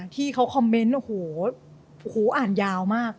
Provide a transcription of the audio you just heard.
ที่เขาคอมเมนต์โอ้โหอ่านยาวมาก